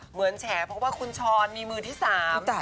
แฉเพราะว่าคุณช้อนมีมือที่สาม